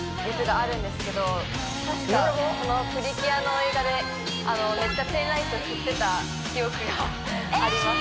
あるんですけど確かその「プリキュア」の映画でめっちゃペンライト振ってた記憶があります